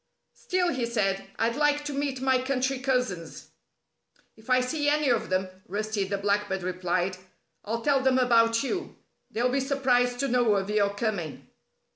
"Still," he said, "I'd like to meet my country cousins." "If I see any of them," Rusty the Blackbird replied, "I'll tell them about you. They'll be surprised to know of your coming."